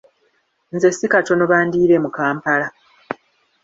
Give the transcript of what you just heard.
Nze si katono bandiire mu Kampala!